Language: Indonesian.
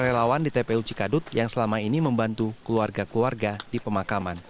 relawan di tpu cikadut yang selama ini membantu keluarga keluarga di pemakaman